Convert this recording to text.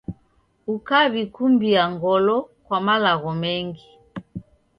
Ukaw'ikumbia ngolo kwa malagho mengi.